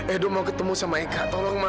edo mau ketemu sama eka tolong ma